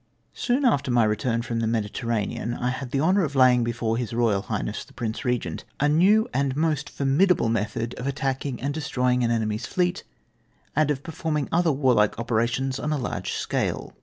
Soon after my return from the Mediterranean, I had the honom of laymg before His Eoyal Highness the Prince Eegent, a new and most formidable method of attacking and destroying an enemy's fleet, and of per forming other warhke operations on a large scale.